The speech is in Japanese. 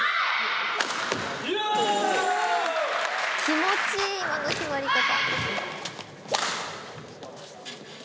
気持ちいい今の決まり方。